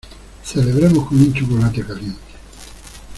Celebremos con un chocolate caliente.